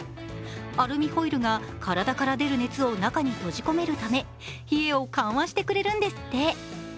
アルミホイルが体から出る熱を中に閉じ込めるため冷えを緩和してくれるんですって。